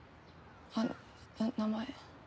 あっ名前。